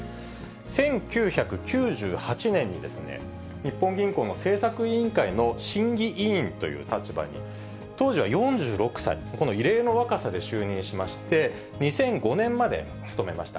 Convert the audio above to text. １９９８年に日本銀行の政策委員会の審議委員という立場に、当時は４６歳、異例の若さで就任しまして、２００５年まで務めました。